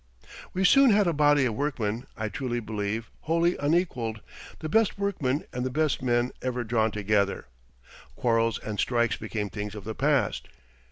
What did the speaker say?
We soon had a body of workmen, I truly believe, wholly unequaled the best workmen and the best men ever drawn together. Quarrels and strikes became things of the past.